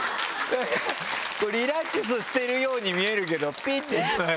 リラックスしてるように見えるけどピって。